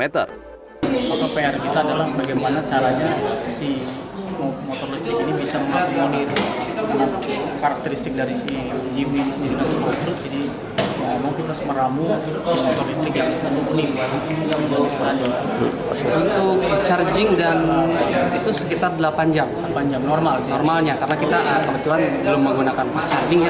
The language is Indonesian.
itu sekitar delapan jam normalnya karena kita kebetulan belum menggunakan perserjingnya